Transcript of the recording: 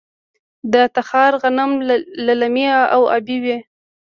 د تخار غنم للمي او ابي وي.